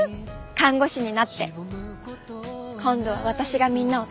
看護師になって今度は私がみんなを助けてあげる。